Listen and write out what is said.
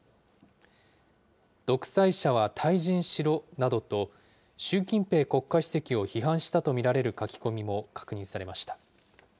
独裁者は退陣しろなどと習近平国家主席を批判したと見られる書き込みも確認されました。